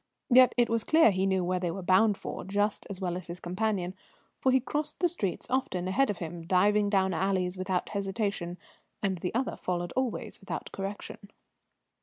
Yet it was clear he knew where they were bound for just as well as his companion, for he crossed the streets often ahead of him, diving down alleys without hesitation, and the other followed always without correction.